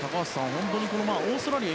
本当にオーストラリア